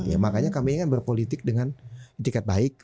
ya makanya kami kan berpolitik dengan etika baik